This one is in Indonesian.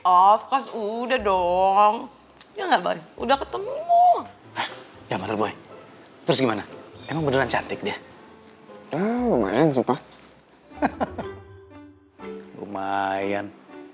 of course udah dong udah ketemu ya mbak boy terus gimana emang beneran cantik dia lumayan suka lumayan